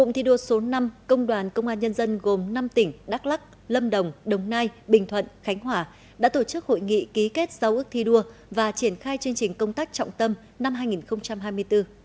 thi đua số năm công đoàn công an nhân dân gồm năm tỉnh đắk lắc lâm đồng đồng nai bình thuận khánh hòa đã tổ chức hội nghị ký kết giao ước thi đua và triển khai chương trình công tác trọng tâm năm hai nghìn hai mươi bốn